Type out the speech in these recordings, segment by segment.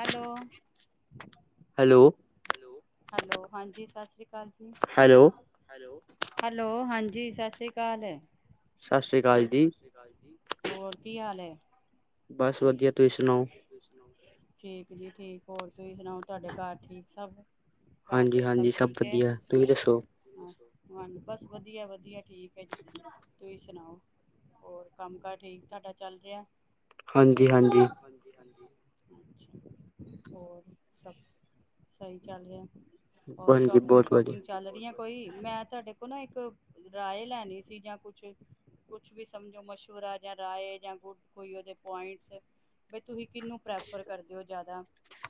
Hello. Hello, ਹਾਂਜੀ ਸਤਿ ਸ੍ਰੀ ਅਕਾਲ ਜੀ। ਹੈਲੋ, ਹਾਂਜੀ ਸਤਿ ਸ਼੍ਰੀ ਅਕਾਲ। ਸਤਿ ਸ਼੍ਰੀ ਅਕਾਲ ਜੀ, ਹੋਰ ਕੀ ਹਾਲ ਹੈ। [inaudible] ਵਧੀਆ, ਤੁਸੀਂ ਸੁਣਾਓ। ਠੀਕ ਜੀ ਠੀਕ, ਹੋਰ ਤੁਸੀਂ ਸੁਣਾਓ ਤੁਹਾਡੇ ਘਰ ਠੀਕ ਸਭ। ਘਰ ਦੇ ਸਭ ਠੀਕ ਹੈ। ਹਾਂ ਬਸ ਵਧੀਆ ਵਧੀਆ ਠੀਕ ਹੈ ਜੀ, ਤੁਸੀਂ ਸੁਣਾਓ, ਹੋਰ ਕੰਮ ਕਾਰਜ ਠੀਕ ਤੁਹਾਡਾ ਚੱਲ ਰਿਹਾ। ਹਾਂਜੀ-ਹਾਂਜੀ। ਅੱਛਾ, ਹੋਰ ਸਭ ਸਹੀ ਚੱਲ ਰਿਹਾ ਹੈ। ਹੋਰ ਸ਼ੋਪਿੰਗ-ਸ਼ੋਪਿੰਗ ਚੱਲ ਰਹੀ ਆ ਕੋਈ, ਮੈਂ ਤੁਹਾਡੇ ਕੋਲ ਨਾ ਇੱਕ ਇੱਕ ਰਾਏ ਲੈਣੀ ਸੀ ਜਾਂ ਕੁਛ, ਕੁਛ ਵੀ ਸਮਝੋ ਮਸ਼ਵਰਾ ਜਾਂ ਰਾਏ ਜਾਂ ਗੁੱਡ ਕੋਈ ਉਹਦੇ ਪੁਆਇੰਟਸ। ਬੀ ਤੁਸੀਂ ਕਿਹਨੂੰ ਪ੍ਰੈਫਰ ਕਰਦੇ ਹੋ ਜ਼ਿਆਦਾ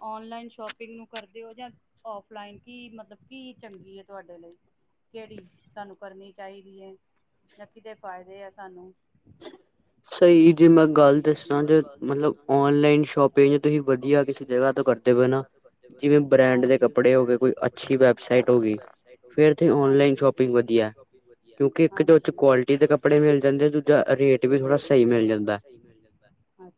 ਔਨਲਾਈਨ ਸ਼ੋਪਿੰਗ ਨੂੰ ਕਰਦੇ ਹੋ ਜਾਂ ਔਫਲਾਈਨ ਕੀ ਮਤਲਬ ਕੀ ਚੰਗੀ ਹੈ ਤੁਹਾਡੇ ਲਈ ਕਿਹੜੀ ਸਾਨੂੰ ਕਰਨੀ ਚਾਹੀਦੀ ਹੈ। ਜਾਂ ਕਿਦੇ ਫਾਇਦੇ ਆ ਸਾਨੂੰ। ਸਹੀ ਜੇ ਮੈਂ ਗੱਲ ਦੱਸਾਂ ਜੇ। ਲ ਸ਼ੋਪਿੰਗ ਤੁ ਵਯ ਜ ਤ ਕਰ ਬ੍ਰ ਕਪੇ ਹੋ ਅ ਵਬਸ ਹੋ ਹਨ ਸ਼ੋਪਗ ਵਯ ਕੁਟੀ ਕਪੇ ਮਿਲ ਜਾਂ ਬ ਸਹੀ ਮਿਲ ਜਾਂਦਾ ਾ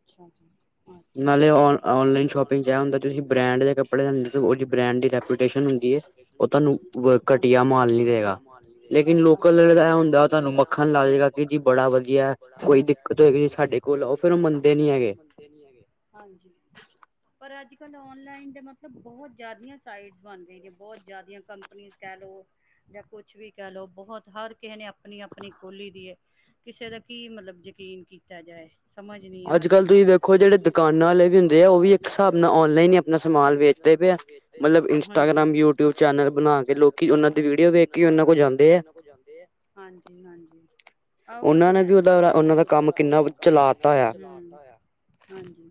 ਕੋਂਸੀਂ ਸਾਡੇ ਕੋਲ ਆਓ ਫਿਰ ਉਹ ਮੰ ਫਰ ਮੰਨਦੇ ਨੀ ਹੈਗੇ ਹਜੀ ਪਰ ਅੱਜ ਕੱਲ ਨਲਾਈਨ ਦੇ ਮਤਲਬ ਬਹੁਤ ਜ਼ਿਆਦੀ ਸਾਈਟਸ ਬਣ ਗਹੀ ਬਹੁਤ ਜ਼ਿਆਦੀ ਕੰਪਨੀ ਕਹਿ ਲਓ ਜਾਂ ਕੁਛ ਵੀ ਕਹਿ ਲਓ ਬਹੁਤ ਹਰ ਕਿਸੇ ਨੇ ਆਪਣੀ ਆਪਣੀ ਖੋਲੀ ਦੀ ਹੈ ਕਿਸੇ ਦਾ ਕੀ ਮਤਲਬ ਯਕੀਨ ਕੀਤਾ ਜਾਏ ਸਮਝ ਅੱਜ ਕਲ ਤੁਸੀਂ ਵੇਖੋ ਜਿਹ ਦੁਕਾਨਾਂੇ ਵੀ ਹੁੰ ਆ ਉਹ ਵੀ ਹਾਬ ਨਾਲਨ ਹੀ ਆਪਣਾ ਸਮਾਨ ਵੇਚਦੇ ਪ ਇਟ ਯੂਬ ਚਲ ਬਣਾ ਲੋਕੀਓ ਵਖ ਕੋਲ ਜਾਂਦੇ ਆ ਹਜੀ ਦਾ ਕੰਮ ਕਿੰਨਾ ਹਾਂਜੀ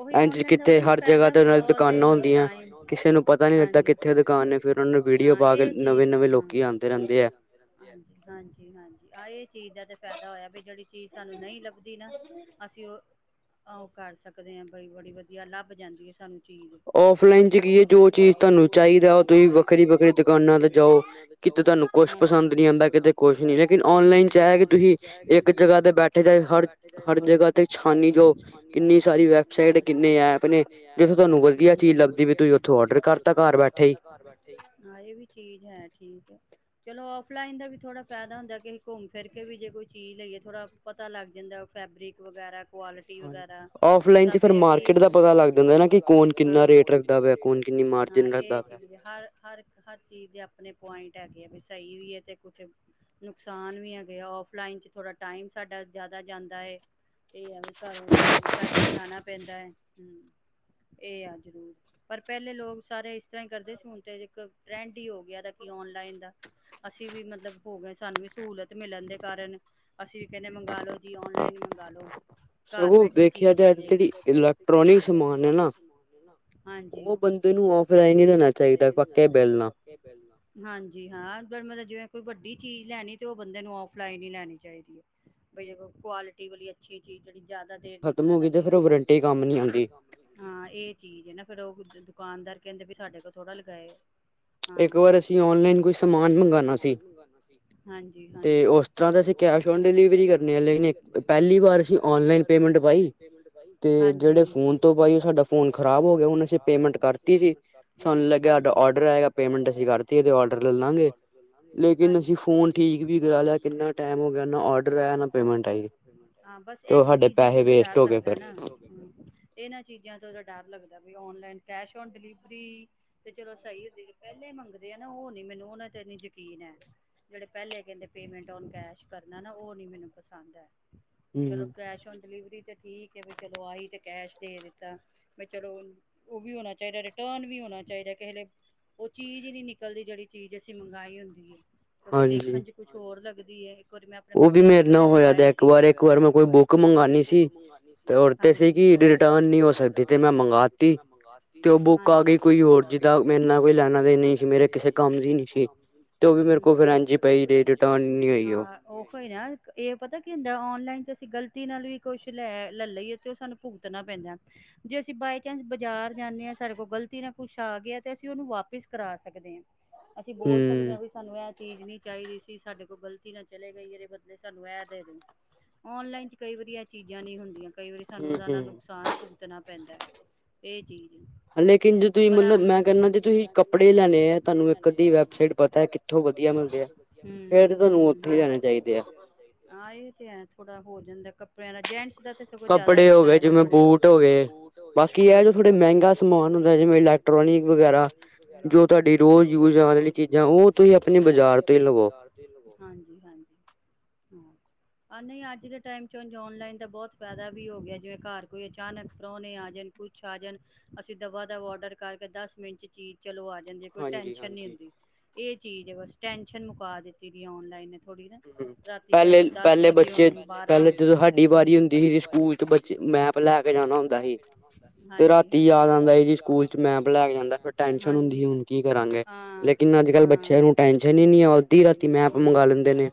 ਓਹੀ ਨ ਨਾਦਾ ਵੀ ਬਤ ਹਜੀ ਚੀ ਹਜੀ ਹਜੀ ਚੀ ਤੇ ਫਾਇਦਾ ਹੋਇਆ ਵੀ ਜਿਹੜੀ ਚੀਜ਼ ਸਾਨੂੰ ਨਹੀਂ ਲੱ ਅਦੀ ਨਾ ਅਸੀਂ ਉਹ ਉਹ ਕਰ ਸਕਦੇ ਹਾਂ ਬਈ ਬੜੀ ਵਧੀਆ ਲੱਭ ਜਾਂਦੀ ਹੈ ਸਾਨੂੰ ਔਫਲਾਈਨ ਚ ਕੀ ਹੈ ਜੋ ਚੀਜ਼ ਤੁਹਾਨੂੰ ਚਾਹੀਦਾ ਉਹ ਤੁਸੀਂ ਵੱਖਰੀ ਵੱਖਰੀ ਦੁਕਾਨਾਂ ਤੇ ਜਾਓ ਕਿਤੇ ਤੁਹਾਨੂੰ ਕੁਛ ਪਸੰਦ ਨੀ ਆਉਂਦਾ ਕਿਤੇ ਕੁਛ ਨੀ ਲੇਕਿਨ ਔਨਲਾਈਨ ਚ ਇਹ ਕਿ ਤੁਸੀਂ ਇੱਕ ਜਗ੍ਹਾ ਤੇ ਬੈਠੇ ਜਾ ਹਰ ਹਰ ਜਗ੍ਹਾ ਛਾਨੀ ਜੋ ਕਿੰਨੀ ਸਾਰੀ ਵੈਬਸਾਈਟ ਕਿੰਨੇ ਐਪ ਨੇ ਜਿੱਥੇ ਤੁਹਾਨੂੰਧਆ ਵ ਚਡਰ ਕਰ ਘਰ ਬੈਠੇ ਚ ਚਲੋ ਫਲਾਈਨ ਦਾ ਵੀ ਥੋੜਾ ਫਾਇਦਾ ਹੁੰਦਾ ਘੁੰਮ ਫਿਰ ਕੇ ਵੀ ਜੇ ਕੋਈ ਚੀਜ਼ ਲਈਏ ਥੋੜਾ ਪਤਾ ਲੱਗ ਜਾਂਦਾ ਫੈਬਰਿਕ ਵਗੈਰਾ ਕੁਿ ਵਗਰਾ ਸ ਮਕੀ ਦਾ ਪ ਲਗ ਫੋ ਰ ਲ ਆ ਚ ਹ ਹਰ ਚੀ ਆਪ ਪੁਆਇੰਟ ਹੈਗੇ ਆ ਵੀ ਸਹੀ ਵੀ ਹੈ ਅਤੇ ਕੁਛ ਨੁਕਸਾਨ ਵੀ ਹੈਗੇ ਆ ਔਫਲਾਈਨ 'ਚ ਥੋੜ੍ਹਾ ਟਾਈਮ ਸਾਡਾ ਜ਼ਿਆਦਾ ਜਾਂਦਾ ਹੈ ਇਹ ਆ ਵੀ ਘਰੋਂ ਸਾਨੂੰ ਸਪੈਸ਼ਲ ਜਾਣਾ ਪੈਂਦਾ ਹੈ ਹਮ ਇਹ ਆ ਜ਼ਰੂਰ ਪਰ ਪਹਿਲੇ ਲੋਕ ਸਾਰੇ ਇਸ ਤਰ੍ਹਾਂ ਹੀ ਕਰਦੇ ਸੀ ਹੁਣ ਤੇ ਇੱਕ ਟ੍ਰੈਂਡ ਹੀ ਹੋ ਗਿਆ ਕੀ ਨਲਾਈਨ ਦਾ ਅਸੀਂ ਵੀ ਮਤਲਬ ਹੋ ਗਏ ਸਾਨੂੰ ਵੀ ਸਹੂਲਤ ਮਿਲਣ ਦੇ ਕਾਰਨ ਅਸੀਂ ਵੀ ਕਹਿੰਦੇ ਮੰਗਵਾ ਲਓ ਜ ਨਲਾਈਨ ਮੰ ਚਾਲੋ ਘਰ ਬੈਠੇ ਚੀਜ਼ ਆਗੀ ਜਿਵੇਂ ਕੋਈ ਵੱਡੀ ਚੀਜ਼ ਲੈਣੀ ਤੇ ਉਹ ਬੰਦੇ ਨੂੰ ਫਲਾਈਨ ਹੀ ਲੈਣੀ ਚਾਹੀਦੀ ਹੈ ਬਈ ਜਦ ਕੁਆਲਿਟੀ ਵਾਲੀਆ ਠੀ ਜੀੀ ਜ਼ਿਆਦਾ ਦੇਰ ਨਿਕਲਣ ਵਾਲੀ ਹਾਂ ਇਹ ਚੀਜ਼ ਹੈ ਨਾ ਫੇਿਰ ਉਹ ਦੁਕਾਨਦਾਰ ਕਹਿੰਦੇ ਵੀ ਸਾਡੇ ਕੋਲ ਥੋੜਾ ਲਗਾਏਓ ਹ ਵਾਰ ਅਸੀ ਕੁ ਸਮਾਨ ਮੰਗਣਾ ਸੀ ਹਜੀ ਹਾਂਜੀ ਉਸਦ ਕ ਡਲੀਵਰੀ ਕਰਨ ਪਹਿਲੀ ਵਾਰ ਅਸੀ ਪਟ ਪ ਹਾਂ ਜ ਫੋਨ ਪ ਸਾਡਾ ਫੋਨ ਖਰਾਬ ਹੋਟਤੀ ਡਰਗਾ ਪੈਂਟ ਅਸੀਂ ਕਰਤੀ ਡਰ ਚ ਲਾਂਗੇ ਹਾਂੇਸੀਂ ਫੋਨ ਠੀਕਡ [unintelligible] ਹਾਂ ਬਸ ਇਹੀ ਚੀਜ਼ਾਂ ਤੋਂ ਤਾਂ ਡਰ ਲੱਗਦਾ ਨਾ ਹ ਇਹਨਾਂ ਚੀਜ਼ਾਂ ਤੋਂ ਤਾਂ ਡਰ ਲ ਕ ਡਿਲੀਵਰੀ ਤੇ ਚਲੋ ਸਹੀ ਹੁੰ ਪਹਿ ਮੰਗਦੇ ਆ ਨਾ ਉਹ ਨੀ ਮੈਨੂੰ ਯਕੀਨ ਜਿਹ ਪਹਿਹਿੰ ਪਟ ਕ ਕਰਨਾ ਉਹ ਨੀ ਮੈਨੂੰ ਪਸੰਦ ਹੈ ਚਲੋ ਕੈਸ਼ ਨ ਡਿਲੀਵਰੀ ਤੇ ਠੀਕ ਹੈ ਵੀ ਚਲੋ ਆਈ ਤੇ ਕੈਸ਼ ਦੇ ਦਿੱਤਾ ਮ ਚਲੋ ਉਹ ਵੀ ਹੋਣਾ ਚਾਹੀਦਾ ਰਿਟਰਨ ਵੀ ਹੋਣਾ ਚਾਹੀਦਾ ਕਿਸੇ ਉਹ ਚੀਜ਼ ਹੀ ਨਹੀਂ ਨਿਕਲਦੀ ਜਿਹੜੀ ਚੀਜ਼ ਅਸੀਂ ਮੰਗਾਈ ਹੁੰਦੀ ਹੈ ਕਿਉਂਕਿ ਦੇਖਣ ਚ ਕੁਛ ਹੋਰ ਲੱਗਦਾ ਦੀ ਹੈ ਮੈਂ ਆਪਣੇ ਬੱਚੇ ਨੇ ਕੱਪੜੇਗਵਾਏ ਸੀ ਵਾਰ ਵਾਰ ਕੋਈ ਬੁਕ ਮੰਗਣੀ ਸੀ ਹਾਂ ਰ ਰਿਟਰਨ ਨ ਹੋ ਸਕ ਤੇ ਮੈਂ ਮੰਗਤੀ ਹਾਂ ਜੋ ਬੁਕ ਆ ਗ ਕੋ ਹੋਰ ਲ ਮੇ ਕਿਸਮ ਮੇ ਕੋ ਪ ਉਹ ਹੀ ਨਾ ਇਹ ਪਤਾ ਕੀ ਨਲਾਈਨ ਤੇ ਅਸੀਂ ਗਲਤੀ ਨਾਲ ਵੀ ਕੁਛ ਲੈ ਲੈ ਲਈਏ ਤੇ ਉਹ ਸਾਨੂ ਭੁਗਤਣਾ ਪੈਂਦਾ ਜੇ ਅਸੀਂ ਬਾਈ ਚਾਂਸ ਬਾਜ਼ਾਰ ਜਾਂਦੇ ਆ ਸਾਡੇ ਕੋਲ ਗ਼ਲਤੀ ਨਾਲ ਕੁਛ ਆ ਗਿਆ ਤੇ ਅਸੀਂ ਨੂੰ ਵਾਪਿਸ ਕਰਾ ਸਕਦੇ ਆ ਅਸੀਂ ਬੋਲ ਸਕਦੇ ਹਾਂ ਵੀ ਸਾਨੂੰ ਇਹ ਚੀਜ਼ ਨੀ ਚਾਹੀਦੀ ਸੀ ਸਾਡੇ ਕੋਲ ਗ਼ਲਤੀ ਨਾ ਚਲੇ ਗਈ ਜਿਹੜੇ ਬੰਦੇ ਸਾਨੂੰ ਇਹ ਦੇ ਦਿਓ ਔਨਲਾਈਨ ਚ ਕਈ ਵਾਰੀ ਇਹ ਚੀਜ਼ਾਂ ਨਹੀਂੀ ਹੁੰਦੀਆਂ ਕਈ ਵਾਰੀ ਸਾਨੂੰ ਇਹਦਾ ਨਾ ਨੁਕਸਾਨ ਭੁਗਤਣਾ ਪੈਂਦਾ ਇਹ ਜੀ ਮੈਂ ਕ ਤੁਸੀ ਕੱਪੜੇ ਲੈਣੇ ਆਾਨਥ ਵਥ [unintelligible] ਥੋੜਾ ਹੋ ਜਾਂਦਾ ਤੁਵ [unintelligible] ਨਹੀਂ ਅੱਜ ਦੇ ਟਾਈਮ ਚ ਨਲਾਈਨ ਦਾ ਬਹੁਤ ਫਾਇਦਾ ਵੀ ਹੋ ਗਿਆ ਜਿਵੇਂ ਘਰ ਕੋਈ ਅਚਾਨਕ ਪ੍ਰਾਹਣੇ ਆ ਜਾਣ ਕੁਛ ਆ ਜਾਣ ਅਸੀਂ ਦਵਾ ਦਾ ਡਰ ਕਰਕੇ ਦਸ ਮਿੰਟ ਚ ਚੀਜ਼ ਚਲੋ ਆ ਜਾਂਦੇ ਆ ਕੋਈ ਟੈਂਸ਼ਨ ਨਹੀਂ ਹੁੰਦੀ ਇਹ ਚੀਜ਼ ਹੈ ਬਸ ਟੈਨਸ਼ਨ ਮੁਕਾ ਦਿੱਤੀ ਦੀ ਏ ਔਨਲਾਈਨ ਨੇ ਥੋੜੀ ਨਾ ਰਾਤੀ ਚਾਹੇ ਕੋਈ ਬਦ ਸਾਡੀ ਵਾਰੀ ਹੁੰਦੀ ਸਕੂਲ ਮੈਪ ਲੈ ਕੇ ਜਾਣਾ ਹੁੰਦਾ ਰਾ ਯਾਦ ਆਦਾੂ ਮੈ ਅਜ ਕਲ ਬ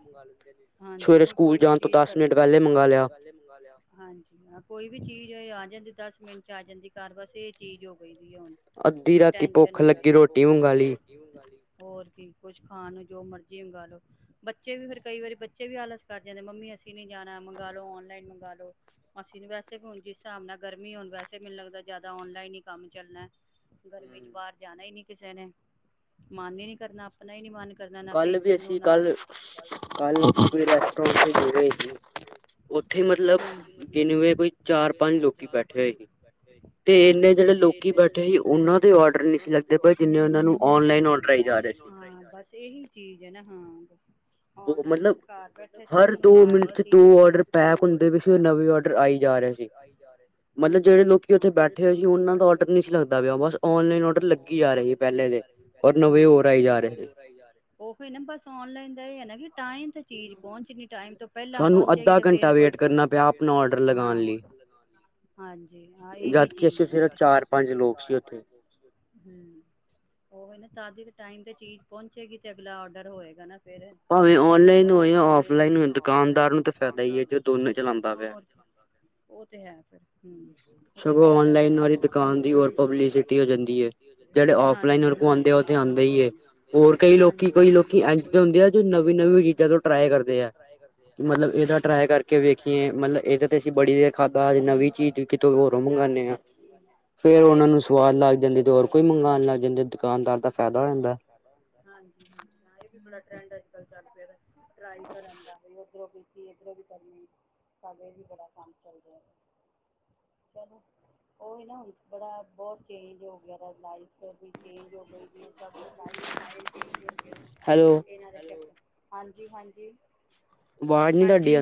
ਨੂੰ ਰਾ [unintelligible] ਹਾਂਜੀ ਉਹ ਸਵੇਰੇ ਸਕੂਲ ਜਾਣ ਤੋਂ ਪਹਲੇ ਮੰਗਾ ਲਿਆਹਜੀ ਹ ਕੋਈ ਵੀ ਚੀਜ਼ ਆ ਜਾਂਦੀ ਦ ਮਿੰਟ ਚ ਆ ਜਾਂਦੀ ਕਾਰ ਬਸ ਇਹ ਚੀਜ਼ ਹੋ ਗਈ ਕੋਈ ਟੈਂਸ਼ਨ ਨ੍ਹੀਂ ਅੱਧੀ ਰਾਤੀ ਭੁੱਖ ਲੱਗੀ ਰੋਟੀ ਹੁਣ ਗ ਹੋਰ ਕੀ ਕੁੱਛ ਖਾਣ ਨੂੰ ਜੋ ਮਰਜੀ ਮੰਗਾਲੋ ਬੱਚੇ ਵੀ ਫਿਰ ਕਈ ਵਾਰੀ ਬੱਚੇ ਵੀ ਆਲਸ ਕਰ ਜਾਂਦੇ ਮੰਮੀ ਅਸੀਂ ਨੀ ਜਾਣਾ ਮੰਗ ਲੋ ਔਨਲਾਈਨ ਮੰਗ ਲੋ ਅਸੀਂ ਨ ਵੈਸੇ ਵੀ ਹੁਣ ਜਿਸ ਹਿਸਾਬ ਨਾਲ ਗਰਮੀ ਹੋਣ ਵੈਸੇ ਮੈਨੂੰ ਲੱਗਦਾ ਜ਼ਿਆਦਾ ਔਨਲਾਈਨ ਹੀ ਕੰਮ ਚੱਲਣਾ ਗਰਮੀ ਚ ਬਾਹਰ ਜਾਣਾ ਹੀ ਨੀ ਕਿਸੇ ਨੇ ਮਨ ਹੀ ਨੀ ਕਰਨਾ ਆਪਣਾ ਹੀ ਨੀ ਮਨ ਕਰਨਾ ਨਾ ਭੇਜਣ ਨੂੰ ਨਾ ਹ ਉੱਥੇ ਮਤਲਬ ਗਿਨਵੇਂ ਕੋਈ ਚਾਰ ਪੰਜ ਲੋਕੀ ਬੈਠੇ ਹੋਏ ਸੀ ਤੇ ਇੰਨੇ ਜਿਹੜੇ ਲੋਕੀ ਬੈਠੇ ਸੀ ਉਹਨਾਂ ਦੇ ਔਡਰ ਨਹੀਂ ਸੀ ਲੱਗਦੇ ਪਏ ਜਿੰਨੇ ਉਹਨਾਂ ਨੂੰ ਓਨਲਾਈਨ ਡਰ ਆਈ ਜਾ ਰਹੇ ਸੀ ਚੀਜ਼ ਹੈ ਨਾ ਹਾਂ ਬ ਔਨਲਾਈਨ ਬਸ ਘਰ ਬੈਠੇ ਸਬ ਨੂੰ ਆ ਰਹੀ ਏ ਚੀਜ--ਦੋ ਮਿੰਟ ਚ ਦੋ ਆਰਡਰ ਪੈਕ ਹੁੰਦੇ ਵਿੱਚ ਨਵੇਂ ਆਰਡਰ ਆਈ ਜਾ ਰਹੇ ਸੀ। ਹਾਂਜੀ ਹਾਂ--ਜਿਹੜੇ ਲੋਕੀ ਉੱਥੇ ਬੈਠਦੇ ਸੀ ਓਹਨਾ ਦਾ ਆਰਡਰ ਨਹੀਂ ਸੀ ਲਗਦਾ ਪਿਆ। ਬਸ ਆਨਲਾਈਨ ਆਰਡਰ ਲੱਗੀ ਜ ਰਹੇ ਪਹਿਲੇ ਤੋਂ। ਹਾਂ ਹਾਂ--ਨਵੇਂ ਹੋਰ ਆਈ ਜਾ ਰਹੇ ਸੀ ਓ ਬਸ ਫੇਰ ਆਨਲਾਈਨ ਦਾ ਏ ਆ ਨਾ ਟਾਈਮ ਤੇ ਚੀਜ਼ ਪਹੁੰਚਣੀ [unintelligible] ਟਾਈਮ ਤੇ ਚੀਜ਼ ਪਹੁੰਚੇਗੀ ਤੇ ਅਗਲਾ ਆਰਡਰ ਹੋਏਗਾ ਨਾ। ਭਾਵੇਂ ਔਨਲਾਈਨ ਹੋ ਜਾਂ ਔਫਲਾਈਨ [unintelligible] ਉਹ ਤੇ ਹੈ ਫੇਰ ਹੂੰ ਉਹ ਤੇ ਫ਼ਾਇਦਾ ਹੈ। ਸਗੋ ਆਨਲਾਈਨ ਵਾਲੇ ਦੀ ਜਾਂਦਾ ਪਬਲੀਸਿਟੀਹੋ ਜਾਂਦੀ ਹੈ ਜਿਹੜੇ ਔਫਲਿਨੇ ਰਖਵੰਦੇ ਉਹ ਤੇ ਆਉਂਦਾ ਹੀ ਏ--ਹਾਂਜੀ। ਹੋਰ ਕਈ ਲੋਕੀ ਕਈ ਲੋਕੀ [unintelligible] ਨਵੀ ਨਵ ਜਦੋਂ ਟ੍ਰਾਈ ਕਰਦੇ ਆ ਮਲਬ ਇਹ ਦਾ ਟ੍ਰਾਈ ਕਰਕੇ ਵੇਖੀਏ ਇਹਨੇ ਦੇ ਅਸੀਂ ਬੜੀ ਦੇਰ ਖਾਧਾ [unintelligible] ਅੱਜ ਕੱਲ ਚੱਲ ਪਿਆ [unintelligible] ਕਰਨਦਾ [inaudible] [unintelligible] ਸਾਡੇ ਵੀ ਬੜਾ ਕੰਮ ਚਲ ਰਿਹਾ ਏ ਚੱਲੋ ਓਹੀ ਨਾ ਹੁਣ ਹਨਾਂ ਬੜਾ ਬਹੁਤ ਚੇਂਜ ਹੋ ਗਿਆ ਲਾਈਫ [inaudible] ਹਾਂਜੀ ਹਾਂਜੀ। ਹਾਂਜੀ।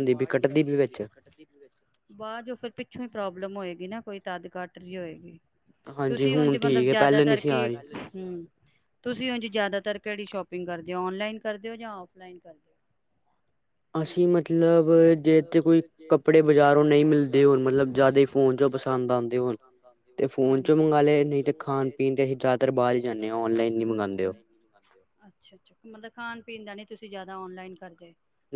ਵਾਜ਼ ਉਹ ਤਾਂ ਪਿੱਛੋਂ ਪ੍ਰੋਬਲਮ ਹੋਏਗੀ ਨਾ ਕੋਈ ਤੱਦ ਕੱਟ ਰਹੀ ਹੋਏਗੀ। ਤੁਸੀਂ ਉੰਝ ਮਤਲਬ ਜਿਆਦਾਤਰ ਕਿ ਤੁਸੀਂ ਉੰਝ ਜਿਆਦਾ ਤਰ ਕਿਹੜੀ ਸ਼ੋਪਿੰਗ ਕਰਦੇ ਹੋ ਔਨਲਾਈਨ ਕਰ ਦਿਓ ਜਾਂ ਔਫਲਾਈਨ ਅਸੀ ਮਤਲਬ ਹੈ ਜੇ ਇੱਥੇ ਕੋਈ ਕੱਪੜੇ ਬਜਾਰੋ ਨਹੀਂ ਮਿਲਦੇ ਮਤਲਬ ਜਾਦੇ ਫੋਨ ਤੋਂ ਪਸੰਦ ਆਉਂਦੇ ਫੋਨ ਚੋ ਮੰਗਾਲੇ ਨਹੀਂ ਤੇ ਖਾਂ ਪੀਣ ਦੇ ਚਾਦਰ ਪਾ ਹੀ ਦੀਨੇ ਅ ਆਨਲਾਈਨ [unintelligible] ਤੁਸੀਂ ਜ਼ਿਆਦਾ ਔਨਲਾਈਨ ਕਰਦੇ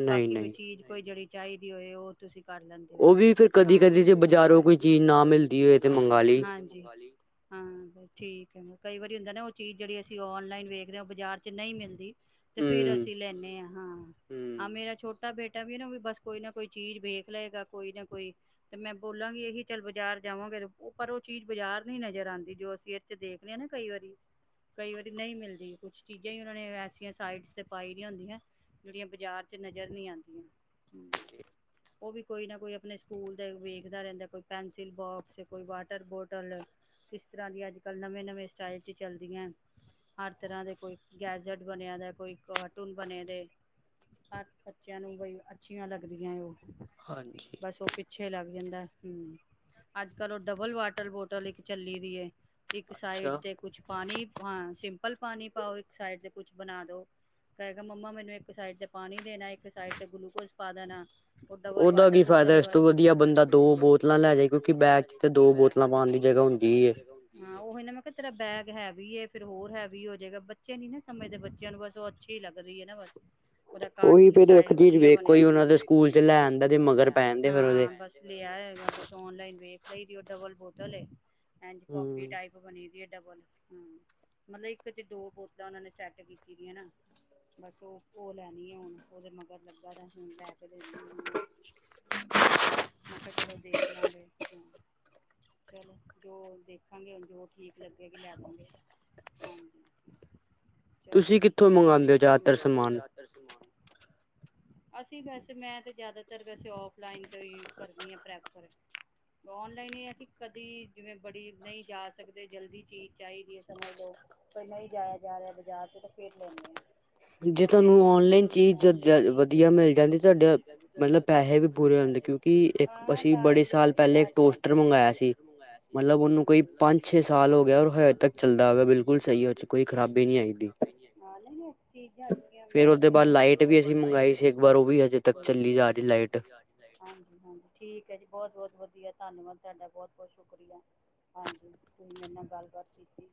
ਬਾਕੀ ਕੋਈ ਚੀਜ਼ ਕੋਈ ਜਿਹੜੀ ਚਾਹੀਦੀ ਹੋਏ ਉਹ ਤੁਸੀਂ ਕਰ ਲੈਂਦੇ ਓ ਹਾਂ ਕਦੀ ਕਦੇ ਬਾਜ਼ਾਰੋਂ ਕੋਈ ਚੀਜ਼ ਨਾ ਮਿਲਦੀ ਹੋਵੇ ਤੇ ਮੰਗਾਲੀ ਹਜੀ ਹਾਂ ਠੀਕ ਹੈ ਕਈ ਵਾਰੀ ਹੁੰਦਾ ਨਾ ਚੀਜ਼ ਜਿਹੜੀ ਅਸੀਂ ਔਨਲਾਈਨ ਵੇਖਦੇ ਹਾਂ ਉਹ ਬਾਜ਼ਾਰ 'ਚ ਨਹੀਂ ਮਿਲਦੀ ਤੇ ਫਿਰ ਅਸੀਂ ਲੈਂਨੇ ਆ ਹਾਂ। ਆ ਮੇਰਾ ਛੋਟਾ ਟਾ ਬੇਟਾ ਵੀ ਇਹਨਾਂ ਵੀ ਬਸ ਕੋਈ ਨਾ ਕੋਈ ਚੀਜ਼ ਵੇਖ ਲਏਗਾ ਕੋਈ ਨਾ ਕੋਈ ਤੇ ਮੈਂ ਬੋਲਾਂਗੀ ਇਹੀ ਚੱਲ ਬਾਜ਼ਾਰ ਜਾਵਾਂਗੇ ਪਰ ਉਹ ਚੀਜ਼ ਬਾਜ਼ਾਰ ਨੀ ਨਜ਼ਰ ਆਉਂਦੀ ਜੋ ਅਸੀਂ ਇਹਦੇ ਚ ਦੇਖ ਲ ਹਾਂ ਨਾ ਕਈ ਵਾਰੀ ਕਈ ਵਾਰੀ ਨਹੀਂ ਮਿਲਦੀ ਕੁੱਛ ਚੀਜ਼ਾਂ ਹੀ ਉਹਨਾਂ ਨੇ ਐਸੀਆਂ ਸਾਈਟਸ ਤੇ ਪਾਈ ਦੀਆਂ ਹੁੰਦੀਆਂ ਜਿਹੜੀਆਂ ਬਾਜ਼ਾਰ'ਚ ਨਜ਼ਰ ਨਹੀਂ ਆਉਂਦੀਆਂ ਉਹ ਵੀ ਕੋਈ ਨਾ ਕੋਈ ਆਪਣੇ ਸਕੂਲ ਦੇ ਵੇਖਦਾ ਰਹਿੰਦਾ ਕੋਈ ਪੈਨਸਿਲ ਬੋਕਸ, ਕੋਈ ਵਾਟਰ ਬੋਟਲ ਕਿਸ ਤਰ੍ਹਾਂ ਦੀਆਂ ਅੱਜ ਕੱਲ੍ਹ ਨਵੇਂ ਨਵੇਂ ਸਟਾਈਲ 'ਚ ਚੱਲਦੀਆਂ ਹਰ ਤਰ੍ਹਾਂ ਦੇ ਕੋਈ ਗੈਜਟ ਬਣਿਆ ਦਾ ਕੋਈ ਕਾਰਟੂਨ ਬਣੇ ਦੇ ਹ ਬੱਚਿਆਂ ਨੂੰ ਬਈ ਅੱਛੀਆਂ ਲੱਗਦੀਆਂ ਏ ਉਹ ਬਸ ਉਹ ਪਿੱਛੇ ਲੱਗ ਜਾਂਦਾ ਹਮ ਅੱਜ ਕੱਲ ਉਹ ਡਬਲ ਵਾਟਰ ਬੋਟਲ ਇੱਕ ਚੱਲੀ ਦੀ ਹੈ ਇੱਕ ਸਾਈਡ ਤੇ ਕੁਝ ਪਾਣੀ ਚਪਲ ਪਾਣੀ ਪਾਓ ਇੱਕ ਸਾਈਡ ਦੇ ਕੁਛ ਬਣਾ ਦੋ ਕਹਿਗਾ ਮੰਮਾ ਮੈਨੂੰ ਇੱਕ ਸਾਈਡ ਦੇ ਪਾਣੀ ਦੇਣਾ ਇੱਕ ਸਾਈਡ ਤੇ ਗਲੂਕੋਜ ਪਾ ਦੇਣਾ ਉਹ ਡਬਲ ਵਾਟਰ ਬੋਟਲ ਫ ਵਆ ਬੰ ਦੋ ਬੋਤਲਾਂ ਲੈ ਜਾ ਬ ਦੋ ਬੋਤਲਾਂ ਪਾ ਦੀੁੰ ਉਹੀ ਨਾ ਮੈਂ ਕਿਹਾ ਤੇਰਾ ਬੈਗ ਹੈ ਵੀ ਫਿਰ ਹੋਰ ਹੈ ਵੀ ਹੋ ਜਾਏਗਾ ਬੱਚੇ ਨੀ ਨਾ ਸਮੇਝ ਦੇ ਬੱਚਿਆਂ ਨੂੰ ਬਸ ਉਹ ਅੱਛੀ ਹੀ ਲੱਗਦੀ ਹੈ ਨਾ ਬਸ ਓਦਾ ਕਾਰਟੂਨ ਸਟਲ ਵਆ ਬਣਯਖੂਲ ਲੈ ਹ ਬ ਲ ਬਨ ਵ ਲ ਲਈ ਦਿਓ ਡਬਲ ਬੋਟਲ ਹ ਕਪੀ ਟਾਈਪ ਬਣੀ ਦੀ ਹ ਮਤਲਬ ਇੱਕ ਤੇ ਦੋ ਬੋਤਲਾਂ ਉਹਨਾਂ ਨੇ ਸੈਟ ਕੀਤੀ ਸੀ ਹਨਾ ਬਸ ਉਹਰ ਲੈ ਮਗਰ ਲੱ ਲੈ ਮਤਾ ਕਿ ਦੇਖ ਲਾਂਗੇ ਚਲੋ ਜੋ ਦੇਖਾਂਗੇ ਜੋ ਠੀਕ ਲੱਗੇਗੀ ਲੈ ਲਾਂਗੇ ਹਾਂਜੀ ਤੁਸੀਂ ਕਿੱਥੋਂ ਮੰਗਵਾਉਂਦੇ ਹੋ ਜ਼ਿਆਦਾਤਰ ਸਮਾਨ ਅਸੀਂ ਵੈਸੇ ਮੈਂ ਤੇ ਜ਼ਿਆਦਾਤਰ ਵੈਸੇ ਫਲਾਈਨ ਤੋਂ ਹੀ ਕਰੀ ਆ ਪ੍ਰੈਫਰ ਨਲਾਈਨ ਕਦੇ ਜਿਵੇ ਬੜੀ ਨਹੀਂ ਜਾ ਸਕਦੇ ਜਲਦੀ ਚੀਜ਼ ਚਾਹੀਦੀ ਹੈ ਸਮ ਨਹੀਂ ਜਾਇਆ ਜਾ ਰਿਹਾ ਬਾਜ਼ਾਰ ਤੇ ਫਰ ਲੈਂਦੇ ਆ ਜੇ ਤਾਂ ਜ ਚੀ ਵਆ ਮਿਲ ਪੈ ਪੋਟਰਗ ਕੋ ਛੇ ਸਾਲ ਹੋ ਚਦਾ ਬੁ ਸ ਖਰਾਬੀ ਨ [unintelligible] ਬਾਦ ਲਗਾਰ ਚ ਹਜੀ ਠੀਕ ਆੀ ਬਹੁਤ ਬਤ [unintelligible] ਵਧੀ ਧੰਨਵਾਦ ਤੁਹਾਡਾ ਬਹੁਤ ਬਹੁਤ ਸ਼ੁਕਰੀਆ ਹਾਂਜੀ ਤੁਸੀਂ ਮੇਰੇ ਨਾਲ ਗੱਲਬਾਤ ਕੀਤੀ